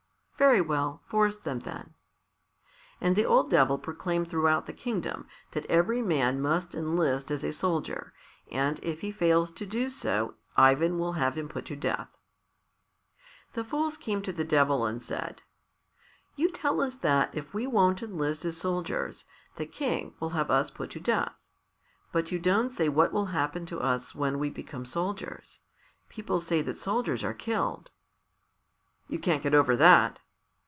"Very well; force them, then." And the old Devil proclaimed throughout the kingdom that every man must enlist as a soldier, and if he fails to do so Ivan will have him put to death. The fools came to the Devil and said, "You tell us that if we won't enlist as soldiers the King will have us put to death, but you don't say what will happen to us when we become soldiers. People say that soldiers are killed." "You can't get over that."